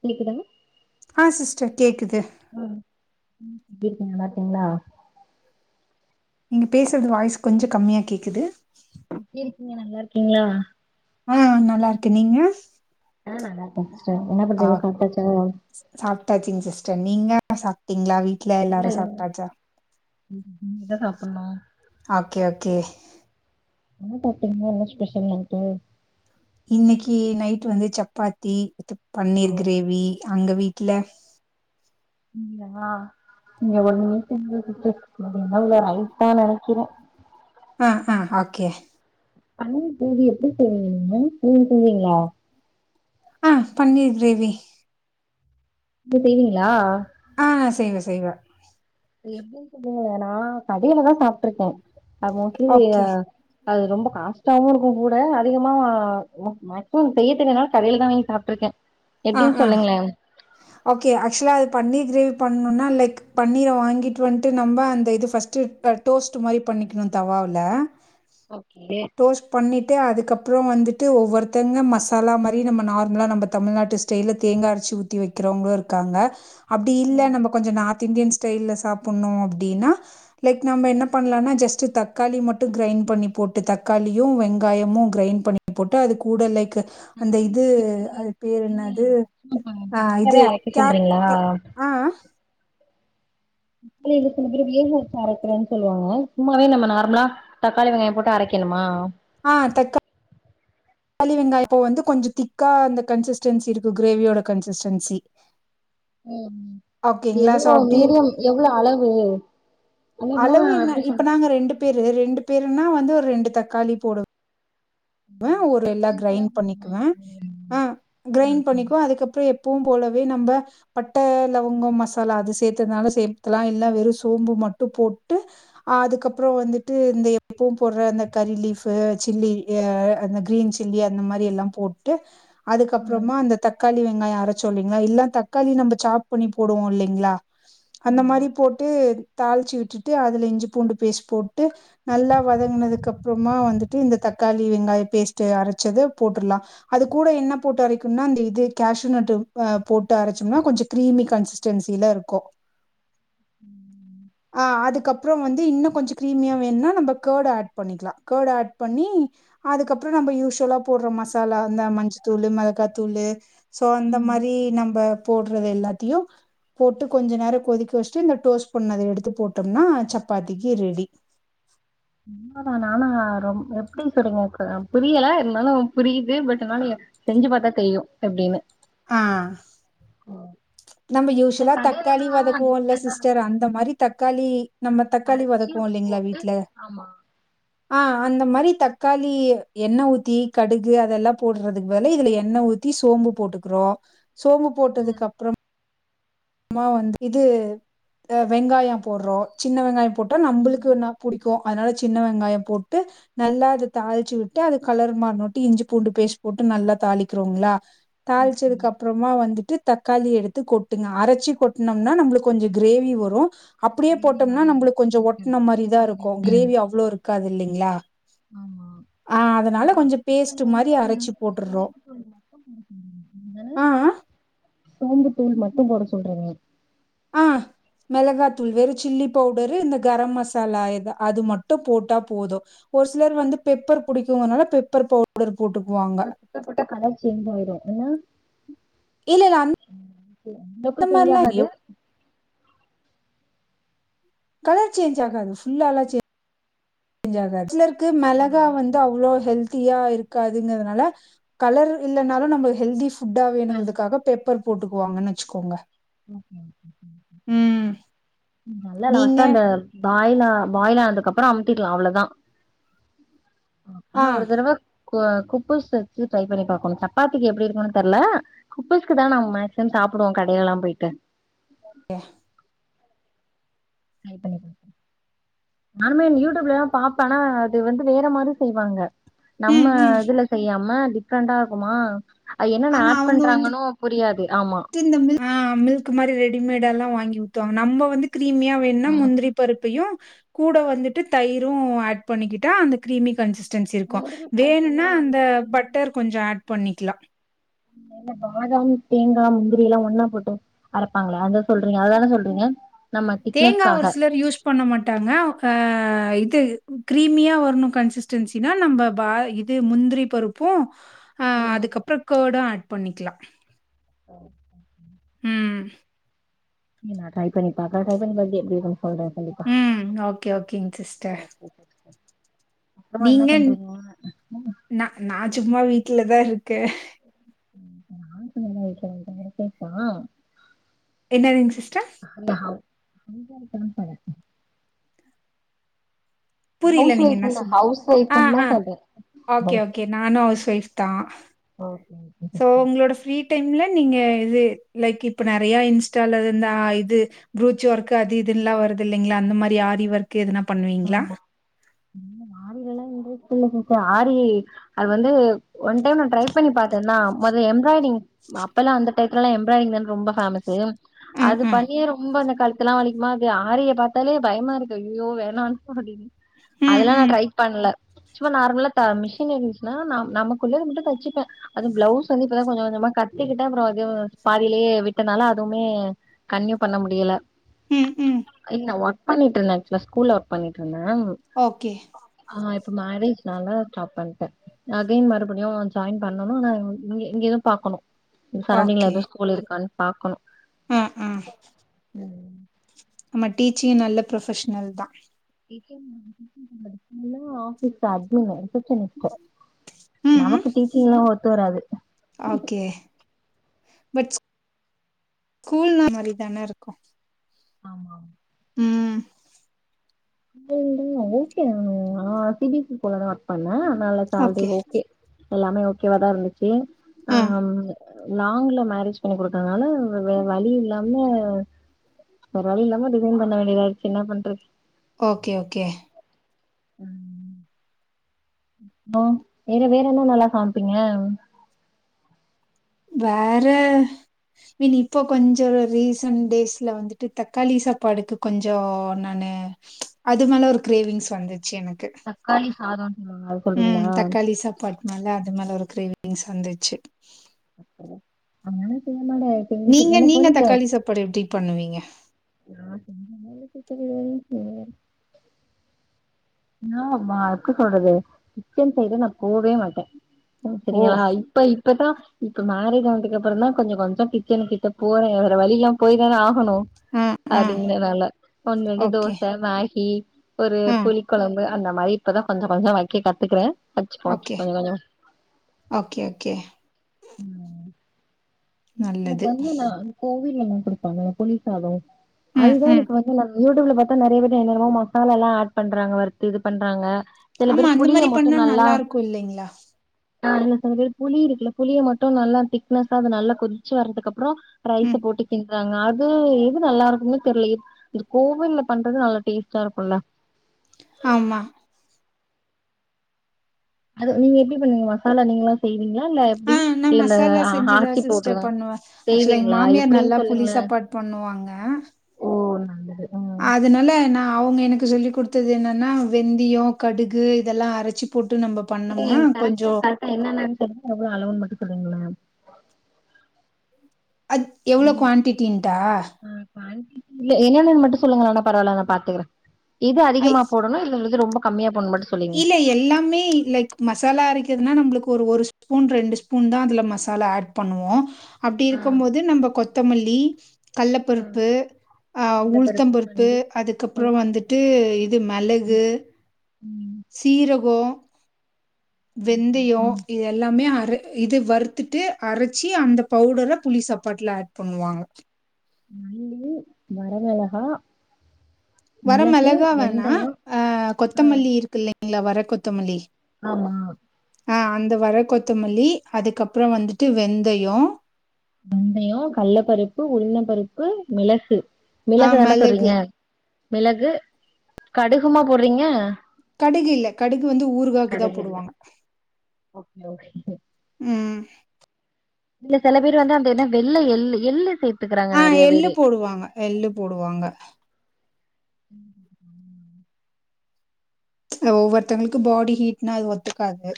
கேக்குதா ஆ சிஸ்டர் கேக்குது ம் எப்டி இருக்கீங்க நல்லாருக்கீங்களா நீங்க பேசுறது வாய்ஸ் கொஞ்சோ கம்மியா கேக்குது எப்டி இருக்கீங்க நல்லா இருக்கீங்களா ஆஹ் நல்லா இருக்கே நீங்க ஆஹ் நல்லாகேங்க ஆக் சாப்டாச்சிங் சிஸ்டர் நீங்க ன சாப்டீங்களா வீட்ல எல்லாரு சாப்டாச்சா இ இனிமேதா சாப்புணு ஓகே ஓகே என்ன சாப்டிங்க என்ன ஸ்பெஷல் நைட்டு இன்னைக்கு நைட் வந்து chapati with O paneer gravy அங்க வீட் டுல ம் நா இங்க ஒன்னுமே செய்யல சிஸ்டர் ஒன்னு இல்ல ரைஸ் தா நெனைக்கிறே ஆஹ ஆஹ ஓகே பன்னீர் கிராவி எப்டி செய்வீங்க நீங்க செவ்வீங்ளா ஆஹ் பன்னீர் கிரேவி நீங்க பெய்வீங்களா ஆஹ் செய்வே செய்வே எப்டின்னு சொல்லுங்க நா கடையிலதா சாப்டுருக்கே அ மோஸ்ட்லி ஓகே அது ரொம்ப காஷ்டாவவு இருக்கு கூட அதிகமா மேக்சிமம் செய்ய தெரியாதனால கடையில தா வாங்கி சாப்டுருக்கே அ ஆஹ ஓகே ஆக்சுவலா அது பன்னீர் கிரேவி பண்ணணுனா லைக் பன்னீர வாங்கிட்டு வந்துட்டு நம்ம அந்த இது ஃபஸ்டு பிரட் டோஸ்ட் மாரி பண்ணிக்கணு தவவுல ஓகே டோஸ்ட் பண்ணிட்டு அதுக்கப் றோ வந்துட்டு ஒவ்வொருத்தவங்க மசாலா மாரி நம்ம நார்ம்லா நம்ம தமிழ்நாட் டு ஸ்டைல தேங்காய அச்சி ஊத்தீ வைக்கிறவங்களு இருக்காங்க அப்டி இல்ல நம்ம கொஞ்சோ நாத் தின்டியன் ஸ்டைல்ல சாப்ணு அப்டின்னா லைக் நம்ம என்ன பண்ணலாம்னா ஜஸ்ட் டு தக்காளி மட்டு கிரைண் பண்ணி போட்டு தக்காளியு வெங்காயமும் கிரைண் பண்ணி போட்டு அது கூட லைக் அந்த இது அது பேரு என்ன அது ஆஹ் சும்மாவே இது அரைக்க கேக் சொல்றீங்களா க ஆஹ் அ அ அதுலே சில பேரு வேகவச்சு அரைக்கிறேன்னு சொல்லுவாங்க சும்மாவே நம்ம நார்மலா தக்காளி வெங்காயம் போட்டு அரைக்க வக்கணுமா ஆஹ் தக்கா ளி வெங்காய இப்போ வந்து கொஞ்சோ திக்கா அந்த கன்சிஸ்டன்சி இருக்கு கிரேவியோட கன்சிஸ்டன்சி ம் ம் ஓகேங்களா? ஸோ எவ்ளோ அப்டி இருக் மீடியம் எவ்ளோ அளவு அளவுனா அளவு என்ன எப்டி சொல்றது இப்ப நாங்க ரெண்டு பேரு ரெண்டு பேருனா வந்து ஒரு ரெண்டு தக்காளி போடு வே எல்லா ஈக்குவலா கிரைண் போடணுமா பண்ணிக்குவே ஆஹ கிரைண்ட் பண்ணிகுவே அதுக்கப்றோ எப்போவும் போலவே நம்ம பட்ட லவங்கம் மசாலா அது சேத்ததுனால சேத்தலா இல்ல வெறும் சோம்பு மட்டு போட்டு அதுக்கப்றோ வந்துட்டு இந்த எப்பவு போடுற அந்த கரி லீப் சில்லி ய அந்த கிரீன் சில்லி அந்த மாரி எல்லா போட்டு ஆ அதுக்கப்றமா அந்த தக் தக்காளி வெங்காயம் அரச்சோ இல்லைங்களா இல்லா தக்காளி நம்ம சாப் பண்ணி போடுவோம் இல்லேங்களா அந்த ஆமா மாரி போட்டு தாளிச்சி விட்டுட்டு அதுல இஞ்சி பூண்டு பேஸ்ட் போட்டு நல்லா வதங்கினதுக்கு அப்புறமா வந்துட்டு இந்த தக் க்காளி வெங்காயம் பேஸ்ட் அரைச்சத போட்றலா அது கூட என்ன போட்டு அரைக்கும்னா அந்த இது கேசுநட் போட்டு அரைச்சோம்னா கொஞ்சோ கிரீமி கன்சிஸ்டன்சில இருக்கு ஆஹ் அதுக்கப் றோ வந்து இன்னு கொஞ்சோ கிரீமியா வேணும்னா நம்ம ஆட் பண்ணிக்கலாம் கேர்ட் ஆட் பண்ணி அதுக்கப்றோ நம்ம யூசுவலா போடுற மசாலா இந்த மஞ்சத்தூளு மிளகாத்தூளு சோ அந்த ம் மாரி நம்ம போடுறது எல்லாத்தையு போட்டு கொஞ்ச நேரோ கொதிக்க வச்சிட்டு இந்த டோஸ் பண்ணத எடுத்து போட்டம்னா சப்பாத்திக்கு ரெடி [unintelligible] என்ன [unintelligible] ரொம் எப்டி சொல்லி ங்க புரியல இருந்தாலு புரியுது பட்டானாலு செஞ்சு பாத்தா தெரியு எப்டின்னு ஆ நம்ம இந்த யூஷ்வலா தக்காளி கடைலனா வதக்குவோல டிஃப்ரெண்டா சிஸ்டர் அந்த மாரி தக்காளி நம்ம தக்காளி அரைச்சு வதக்குவோ இல்லைங்ளா போட்டு வீட்ல ஆமா ஆ அந்த மாரி தக்காளி எண்ண ஊத்தி கடுகு அதெல்லா போட்றதுக்கு பதுலு இதுல எண்ண ஊத் ஊத்தி சோம்பு போட்டுக்குறோ சோம்பு போட்டதுக்கு ம் அப்றம் மா வந் இது இந்த வெங்காயம் போட்றோ சின்ன வெங்காய போட்டா ம் நம்புளுக்கு வேண்ணா புடிக்கு அதனால சின்ன வெங்காய போட்டு நல்லா அது தாளிச்சு உட்டு அது கலர் மாற்நோட்டி இஞ்சி பூண்டு பேஸ்ட் போட்டு நல்லா தாளிக்றோங்ளா ஓகே தாளிச்சதுக்கு அப்றமா வந்துட்டு தக்காளி எடுத்து கொட்டுங்க அரை ச்சி கொட்னம்னா நம்ளுக்கு கொஞ்சோ கிரேவி வரு அப்டியே கிரேவி போட்டம்னா மாரி வரும் நம்புளுக்கு கொஞ்சோ ஓகே ஒட்ன புரியுது மாரிதா புரியுது இருக்கு எப்டின்னு கிரேவி அவ்ளோ இருக்காது இல்லிங்ளா ஆமா ஆ இப்ப நீ பேஸ்ட் மாரி வந்து நீங்க அரைச்சு போட்டுர்றோம். வந்து ஆ, [inaudible] சோம்புத்தூள் மட்டு போட சொல்றீங்க ஆ மிளகா தூள் வெறு சில்லி பவுடரு இந்த கரம் மசாலா எதா அது மட்டு போட்டா போது ஒரு சிலர் வந்து பெப்பர் புடிக்கு னால பெப்பர் பவுடர் [inaudible] வத்த போட்டா கலர் சேஞ்ச் ஆயிடு என்ன இல்ல இல்ல [unintelligible] அந்தலாம் செய்யாகாது எவ் கலர் சேஞ்ச் ஆகாது ஃபுல்லாலா சேஞ் சிலருக்கு ஆ மெளகா வந்து அவ்ளோ ஹெல்த் த்தியா இருக்காதுங்றதுனால கலர் இல்லனாலு நமக் ஹெல்தி ஃபுட்டா கல் வேணுங்றதுக்காக பேப்பர் போட்டுக்குவாங்கன்னு வச்சுக்கோங்க ம். நல்ல நீங்க? லாஸ்ட்டா அந்த பாய்லா பாயிலானதுக்கு அப்றம் அம்த்தில்லா அவ்ளதா ஆ. ஆனா ஒரு தரவ கோ குப்பஸ் [unintelligible] வச்சு ட்ரை பண்ணி பாக்கணு சப்பாத்திக்கு எப்டி இருக்குனு தெர்ல [unintelligible] தா நம் மேக்சிமம் சாப் சாப்புர்ரோ கடை எல்லா போயிட்டு [inaudible] [unintelligible] நானுமே யூடியூப்லலா பாப்பே ஆனா அது வந்து வேற மாரி செய்வாங்க நம்ம ம், ம். இதுல செய்யாம டிஃப்ரெண்டா இருக்குமா ஆ என்னன்ன ஆமா. ஆட் அவங்க வந்து பண்றாங்கண்ணு புரியாது ஆமா [inaudible] ஆ மில்க் மாரி ரெடிமேடாலா வாங்கி ஊத்துவாங்க நம்ப வந்து கிரீமியா வேண்னா ம் முந்திரி பருப்பையு கூட வந்துட்டு தயிரு ஆட் பண்ணிக்கிட்டா அந்த கிரீமி கன்சிஸ் டெண்சி இருக்கு முந்திரி பருப்புல வேணுனா என்ன அந்த போடுவீங்க பட்டர் கொஞ்சோ ஆட் பண்ணிக்லா ஏங்க பாதாம் தேங்கா முந்திரிலா ஒன்னா போட்டு அரைப்பாங்களே அத சொல்றீங்க அததான சொல்றீங்க நம்ம தேங்கா ஒரு திக்னஸ்காக சிலர் யூஸ் பண்ண மாட்டாங்க ஆ இது கிரீமியாக வர்ணு கன்சிஸ்டன்சினா நம்ப பா இது முந்திரி பருப்பு ஆ ம் அதுக்கப்றோ கர்டு ஆட் பண்ணிக்லா [unintelligible] ம் இங்க ட்ரை பண்ணி பாக்றே ட்ரை பண்ணி எப்டி [inaudible] ம் ஓகே ஓகேங் சிஸ்டர் ஓகே சிஸ் அப்றமா என்ன நீங்க பண்றீங்க நா நா சும்மா வீட்லதா இருக்கே [inaudible] என்னதுங்க சிஸ்டர் [unintelligible] புரில ஹவுஸ் நீங்க ஒய்ஃப் என்ன இல்ல சொல்லி ஹவுஸ் ஒய்ஃப்ன்னு ஆஹ் தா ஆஹ் சொல்றே ஓகே ஓகே நானு ஹவுஸ் ஒய்ஃப் தா ஓ டைம்ல நீங்க இது லைக் இப்ப நெறைய இன்ஸ்டால இந்த ப்ரூச் ஒர்க் அது இதுன்ல்லா வரு து இல்லிங்களா அந்த மாரி ஆரிவொர்க் எதுன பண்ணுவீங்களா ஆமா [inaudible] ஆரி அது வந்து ஒன் டைம் நா ட்ரை பண்ணி பாத்தேன்னா மொத எம்ப்ராய்டிங் அப்பெல்லா அந்த டைத்துலல்லா எம்பராய்டிங் தான ரொம்ப பேமஸு ம் அது ம் பண்ணியே ரொம்ப எனக் கழுத்தெல்லா வலிக்குமா அது ஆரிய பாத்தாலே பயமாருக்க ஐய்யயோ வேணானு அப்டின் ம் அதெல்லா நா ம் ட்ரை பண்ல சும்மா நார்மலா த மிஷின் இருந்ச்சினா நா நமக்குள்ளது மட்டு தச்சிப்பே அது பிளவுஸ் வந்து இப்பதா கொஞ்ச கொஞ்சமா கத்துக்கிட்ட அப்புற அதுவு பாதிலயே விட்டனால அதுவுமே கன்னியூ பண்ண முடியல ம் ம் இல் ஒர்க் பண்ணிட்டு இருந்த ஆக்சுவலா ஸ்கூல் ஒர்க் பண்ணிட்டு ந்தா ஓகே ஆ இப் ப்போ மேரேஜ் நால ஸ்டாப் பண்ணிட்டே அகைன் மறுபடியு ஜாயின் பண்ணணு உனா இங்கே இங்கேதா பாக்கணு சரௌண்டிங்ல ஓகே எதுவு ஸ்கூல் இருக்கான்னு பாக்கணும் ஆ ம் ஆமா டீச்சிங் நல்ல ப்ரொபஷ்னல் தா [inaudible] ஆபீஸ் அட்மின் ரிசப்ஷனிஸ்டு ம் ம் நமக்கு டீச்சிங்லா ஒத்து வராது ஓகே பட் ஸ்கூல் னா அந்தமாரி தானே இருக்கு ஆமாம் [unintelligible] ஓகே நானு ஆஹ் சி பி எஸ் சி ஸ்கூல்லதா ஒர்க் பண்ண நல்ல சால்ரி ஓகே எல்லாமே ஓகேவாதா இருந்துச்சு ஆ ஆஹம் லாங்ல மேரேஜ் பண்ணி குடுத்ததுனால வே வழி இல்லாம வேற வழி இல்லாம ரிசைன் பண்ண வேண்டியதா ஆயிடுச்சு ன்னா பண்றது ஓகே ஓகே ம்ம் ஹோ வேற வேற என்ன நல்லா சமைப்பீங்க வேற மீன் இப்போ கொஞ்ச ரீசன்ட் டேஸ்ல வந்துட்டு தக்காளி சாப்பாடுக்கு கொஞ்சம் நான் னு அது மேல ஒரு கிரேவிங்ஸ் வந்து ச்சி எனக்கு தக்காளி சாதோன்னு சொல்லுவாங்க அது உம் சொல்றீங்களா தக்காளி சாப்பாடு மேல அது மேல ஒரு கிரேவிங்ஸ் வந்துச்சு ஆனாலு செய்யமாட்ட எனக் தெஞ்சி நீங்க எனக் நீங்க வந்து சே தக்காளி சாப்பாடு எப்டி பண்ணுவீங்க [unintelligible] நா வா எப்டி சொல்றது கிச்சன் சைடு நா போவே மாட்டே ஓ சரிங்களா இப்ப இப்பதா இப்ப மேரேஜானதுக்கு அப்புற தா கொஞ்ச கொஞ்ச கிச்சன் கிட்ட போறே வேற வழில்லாம் போய் தானே ஆவ் கனு ஆ ஆ அப்டிறனலே ஒண்ரெண்டு ஓகே தோச மேகி ஒரு ஆ கொழம்பு அந்த மாரி இப்பதா கொஞ்சோ கொஞ்சோ வக்க கத்துக்கறே வச்சுப்போ வச்சுப்போ ஓகே கொஞ்ச கொஞ்சமா ஓகே ஓகே எனக்கு நல்லது வந்து நா கோவில் எல்லா குடுப்பாங்கல்ல புளி சாதம் ம் அதுதா ம் எனக்கு வந்து யூடியூப்ல பாத்தா நெறைய பேர் என்னன்னமோ மசாலால்லா ஆட் பண்றாங்க வருத்து இது பண்றாங்க சில ஆமா பேரு அந்த புளிய மாரி மட்டு பண்ணா நல்லா இருக்கு இல்லைங்களா ஆஹ் இல்ல சில பேர் புளி இருக்குல புளிய மட்டு நல்லா திக்னஸ்ஸா அத நல்லா கொதிச்சு வரதுக்கு அப் றோ ம் ரைஸ்ஸ போட்டு கின் டிறாங்க அது எது நல்லா இருக்குன்னே தெர்ல இது கோவில்ல பண்றது நல்லா டேஸ்ட்டா இருக்குல்ல ஆமா அது நீங்க எப்டி பண்ணுவிங்க மசாலா நீங்களா செய் ங்களா இல்ல ஆ எப்டி நா இல்ல இந்த மசாலா ஆ செஞ்சுதா ஆச்சி சிஸ்டர் பவுடருதா பண்ணுவே ஆக்சுவலா எங்க செய்வீங்களா மாமியார் எப்டின்னு நல்லா புளி சொல்லுங்களே சாப்பாடு பண்ணுவாங்க ஓ நல்லது ம் அதனால நா அவங்க எனக்கு சொல்லிக் குடுத்தது என்னன்னா வெந்தயோ கடுகு இதெல்லா அரைச்சி போட் ஏ கரெக்டா கரெக்டா என்னன்னு சொல்லுங்க எவ்ளோ அளவுனு மட்டு செல்லுங்களே அத் எவ்ளோ குவான்டிட்டடா ஆ குவான்டிட்டி இல்ல என்னென்னனு மட்டு சொல்லுங்களனா பரவால நா பாத்துக்கிறே இது ஐ அதிகமா போடணு இல்ல இது ரொம்ப கம்மியா போடணுனு மட்டு சொல்லுங்க இல்ல எல்லாமே லைக் மசாலா அரைக்கிறதுனா நம்ளுக்கு ஒரு ஒரு ஸ்பூன் ரெண்டு ஸ்பூன் தா அதுல மசாலா ஆட் பண்ணுவோ அப்டி ஆ இருக்கு போது நம்ம கொ த்தமல்லி ஆ கல்லப்பருப்பு அ கடலப்பருப்பு உளுத்தம்பருப்பு வண்டி அதுக்கப்புறோ புழுங் வந்துட்டு இது மெளகு ம் சீரகோ ம் ம் வெந்தயோ ம் இது எல்லாமே அர இது வறுத்துட்டு அரைச்சு அந்த பவுடரை புளி சாப்பாட்டுல ஆட் பண்ணுவாங்க மல்லி வரமெளகா வர மெளகா வேணா அ ஆ கொத்தமல்லி இருக்கு இல்லீங்களா வர கொத்தமல்லி ஆமா இந்த வர கொத்தமல்லி அதுக்கப்புறோ வந்துட்டு வெந்தயோ வெந்தயோ கல்லப் பருப்பு உளுந்தப் பருப்பு மிளகு ஆ மிளகு தானே சொல்றீங்க மெளகு மிளகு கடுகுமா போட்றீங்க கடுகு இல்ல கடுகு வந்து ஊறுகாக்குதா போடுவாங்க ஓக ம் இல்ல செல பேரு வந்து அந்த என்ன வெள்ள எள்ளு எள்ளு சேப் ஆ எள்ளுப் போடுவாங்க எள்ளுப் போடுவாங்க ம்ஹூம் ஒவ்வொருத்தவங்களுக்கு பாடி ஹீட்னா அது ஒத்துக்காது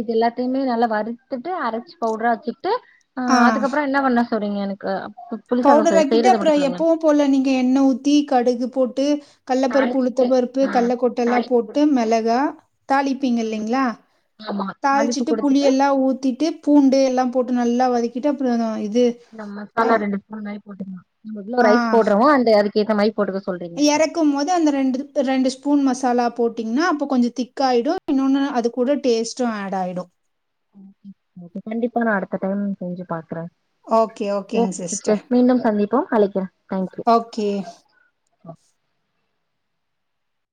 இது எல்லாத்தையுமே நல்லா வறுத்துட்டு அரைச்சு பவுடரா வச்சுட்டு அ அதுக்கப்புறோ என்னாப் பண்ண சொரிங்க எனக்கு புளிசாதோ பவுடரா ஆக்கிட்டு செய்யறத அப்புறோ மட்டு சொல்லுங்க எப்பவு போல நீங்க எண்ண ஊத்தி கடுகுப் போட்டு கல்லப்பருப்பு உளுத்த தாளிச்சிட்டு பருப்பு ஆ கடல்ல கொட்டை எல்லா தாளிப்பு போட்டு குடுத்துட்டு மெளகா தாளிப்பீங்க ம் இல்லைங்களா ஆமா தாளிப்பு தாளிச்சிட்டு புளி குடுத்துட்டு எல்லா ஊத்திட்டு பூண்டு எல்லா போட்டு நல்லா வதக்கிட்டு அப்புறோ இது இந்த அ மசாலா ரெண்டு ஸ்பூன் மாரி போட்டுக்கலா நம்ம எவ்ளோ ரைஸ் போடுறமோ அந்த அதுக்கு ஏத்த மாரி போட்டுக்க சொல்றீங்க எறக்கு போது அந்த ரெண்டு ரெண்டு ஸ்பூன் மசாலா போட்டீங்கன்னா அப்ப கொஞ்சோ திக் ஆயிடு இன்னொன்னு அது கூட டேஸ்டு ஆட் ஆயிடு ஓகே கண்டிப்பா நா அடுத்த டைம் செஞ்சு பாக்குறே ஓகே ஓகேங் ஓக் சிஸ்டர் மீண்டும் சந்திப்போம் அழைக்கிறேன் தேங்க்யு ஓகே அ